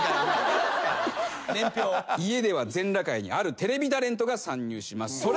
家では全裸界にあるテレビタレントが参入します。